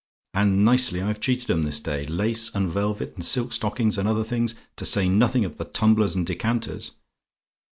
And nicely I've cheated 'em this day. Lace, and velvet, and silk stockings, and other things, to say nothing of the tumblers and decanters.